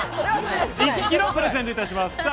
１キロをプレゼントいたします。